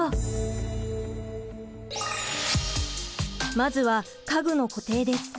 まずは家具の固定です。